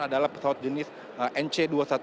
adalah pesawat jenis nc dua ratus dua belas